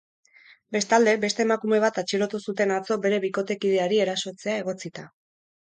Bestalde, beste emakume bat atxilotu zuten atzo bere bikotekideari erasotzea egotzita.